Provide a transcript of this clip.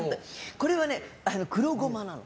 これはね、黒ごまなの。